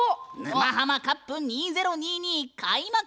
「沼ハマカップ２０２２」開幕！